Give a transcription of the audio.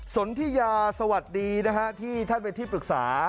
สนทิยาสวัสดีนะฮะที่ท่านเป็นที่ปรึกษา